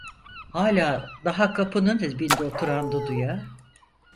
Hala daha kapının dibinde oturan Dudu'ya: